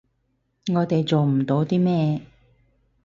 我哋做唔到啲咩